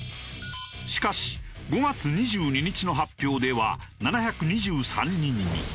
しかし５月２２日の発表では７２３人に。